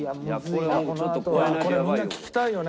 これはみんな聞きたいよね。